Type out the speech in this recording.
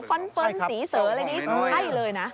ฟันฟันสีเสือเลยนี้ใช่เลยนะ